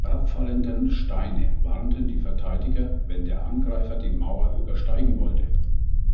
Die herabfallenden Steine warnten die Verteidiger, wenn der Angreifer die Mauer übersteigen wollte.